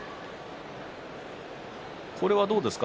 これはどうですか。